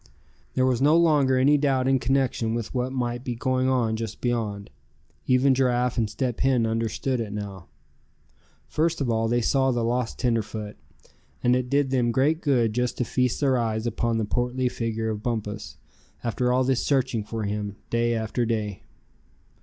There was no longer any doubt in connection with what might be going on just beyond. Even Giraffe and Step Hen understood it now. First of all they saw the lost tenderfoot; and it did them great good just to feast their eyes upon the portly figure of Bumpus, after all this searching for him, day after day.